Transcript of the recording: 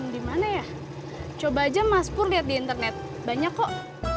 gimana ya coba aja mas pur lihat di internet banyak kok